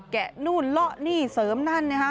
แกะนู่นละนี่เสริมนั่นนะฮะ